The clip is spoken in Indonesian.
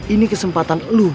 ini kesempatan elu